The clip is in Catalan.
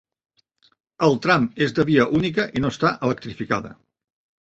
El tram és de via única i no està electrificada.